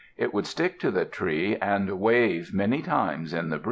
It would stick to the tree and wave many times in the breeze.